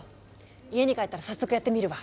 家に帰ったら早速やってみるわ！